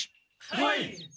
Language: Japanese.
はい！